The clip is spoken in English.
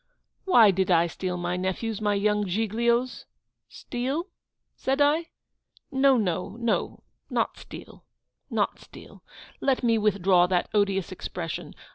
Why did I steal my nephew's, my young Giglio's ? Steal! said I? no, no, no, not steal, not steal. Let me withdraw that odious expression.